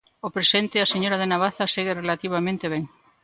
Ó presente a señora de Navaza segue relativamente ben.